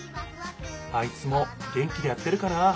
あいつも元気でやってるかな？